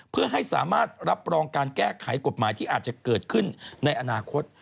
เพื่อให้สามารถรับรองการแก้ไขกฎหมายที่อาจจะเกิดขึ้นในอนาคต